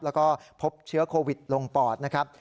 แล้วก็พบเชื้อโควิดลงปอดนะครับ